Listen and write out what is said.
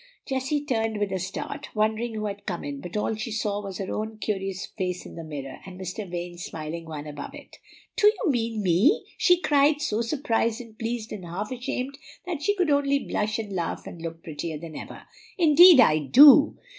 Jessie turned with a start, wondering who had come in; but all she saw was her own curious face in the mirror, and Mr. Vane's smiling one above it. "Do you mean me?" she cried, so surprised and pleased and half ashamed that she could only blush and laugh and look prettier than ever. "Indeed I do.